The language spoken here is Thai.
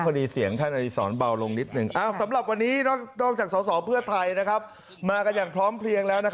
พอดีเสียงอย่างหน้าที่สอนเบาลงนิดนึว